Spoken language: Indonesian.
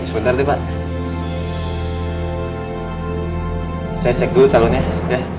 kalau dan setelah itu